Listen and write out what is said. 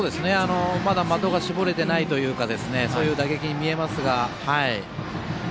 まだ的が絞れてないというかそういう打撃に見えますが。